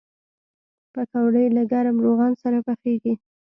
پکورې له ګرم روغن سره پخېږي